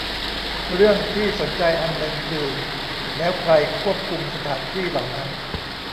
เรื่องที่สนใจอันนึงคือ แล้วใครควบคุมสถานที่เหล่านั้น